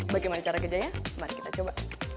bagaimana cara kerjanya mari kita coba